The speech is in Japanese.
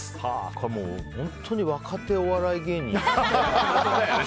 これは本当に若手お笑い芸人のね。